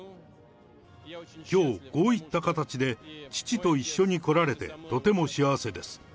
きょう、こういった形で父と一緒に来られて、とても幸せです。